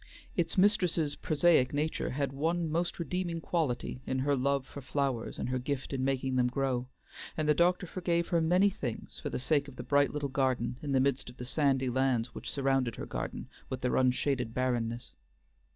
Its mistress's prosaic nature had one most redeeming quality in her love for flowers and her gift in making them grow, and the doctor forgave her many things for the sake of the bright little garden in the midst of the sandy lands which surrounded her garden with their unshaded barrenness.